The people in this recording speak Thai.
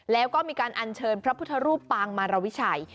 แล้วก็มีการอัญเชิญพระพุทธรูปปางมารวิชัย